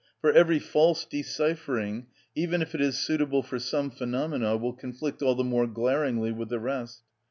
For every false deciphering, even if it is suitable for some phenomena, will conflict all the more glaringly with the rest.